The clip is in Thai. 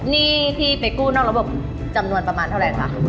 หนี้ที่ไปกู้นอกระบบจำนวนประมาณเท่าไหร่คะ